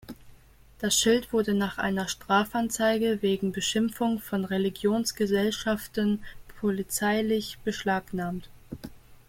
Das Schild wurde nach einer Strafanzeige wegen Beschimpfung von Religionsgesellschaften polizeilich beschlagnahmt.